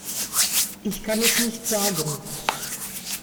Ich kann es nicht sagen.